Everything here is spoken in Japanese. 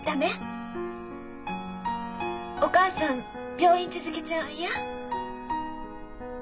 お母さん病院続けちゃ嫌？